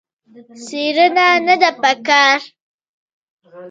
څېړنه نه ده په کار.